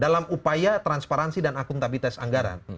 dalam upaya transparansi dan akuntabilitas anggaran